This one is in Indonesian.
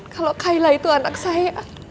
kalau kaila itu anak saya